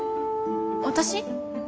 私？